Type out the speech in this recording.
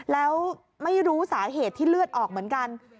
แล้วไม่รู้สาเหตุที่เลือดออกเหมือนกัน